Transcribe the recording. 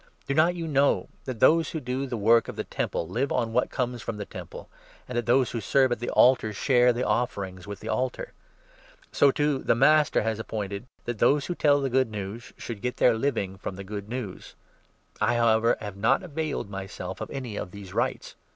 Do not 13 you know that those who do the work of the Temple live on what comes from the Temple, and that those who serve at the altar share the offerings with the altar ? So, too, the Master 14 has appointed that those who tell the Good News should get their living from the Good News. I, however, have not availed 15 myself of any of these rights.